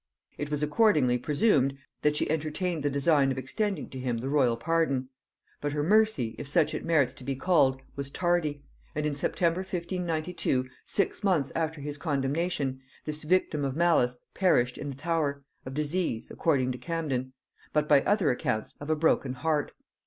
It was accordingly presumed that she entertained the design of extending to him the royal pardon; but her mercy, if such it merits to be called, was tardy; and in September 1592, six months after his condemnation, this victim of malice perished in the Tower, of disease, according to Camden; but, by other accounts, of a broken heart.